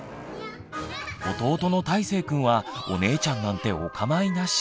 弟のたいせいくんはお姉ちゃんなんておかまいなし。